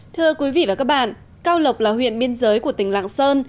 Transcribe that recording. thưa quý vị và các bạn cao lộc là huyện biên giới của tỉnh lạng sơn